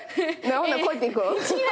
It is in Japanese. ほなこうやって行くん？